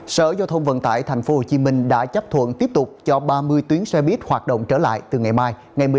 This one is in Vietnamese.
sở giao thông vận tại tp hcm đã chấp thuận tiếp tục ba mươi tuyến xe buýt trở lại từ ngày mai